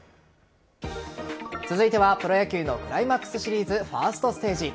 続いてはプロ野球のクライマックスシリーズファーストステージ。